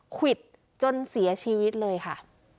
ควิดจนเสียชีวิตเลยค่ะ